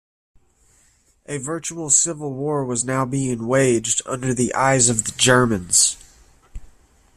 A virtual civil war was now being waged under the eyes of the Germans.